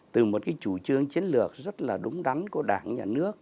từ một cái chủ trương chiến lược rất là đúng đắn của đảng nhà nước